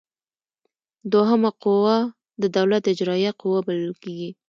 دوهمه قوه د دولت اجراییه قوه بلل کیږي.